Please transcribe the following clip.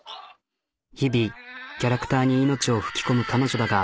日々キャラクターに命を吹き込む彼女だが。